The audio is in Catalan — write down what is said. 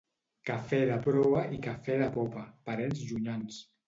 Cafè de proa i cafè de popa, parents llunyans.